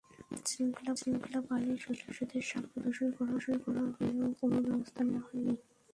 আইনশৃঙ্খলা বাহিনীর সদস্যদের সামনে অস্ত্র প্রদর্শন করা হলেও কোনো ব্যবস্থা নেওয়া হয়নি।